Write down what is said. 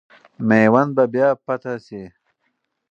میوند به بیا فتح سي.